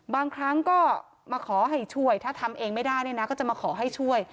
บางครั้งก็มาขอให้ช่วยถ้าทำเองไม่ได้เนี่ยนะก็จะมาขอให้ช่วย